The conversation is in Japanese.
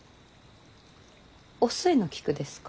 お寿恵の菊ですか？